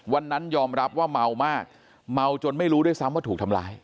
วันนั้นยอมรับว่าเมามากเมาจนไม่รู้ด้วยซ้ำว่าถูกทำร้าย